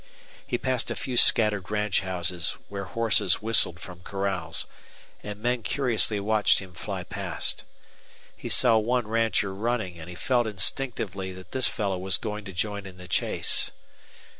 He passed a few scattered ranch houses where horses whistled from corrals, and men curiously watched him fly past. He saw one rancher running, and he felt intuitively that this fellow was going to join in the chase.